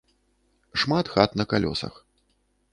Шмат хат на калёсах.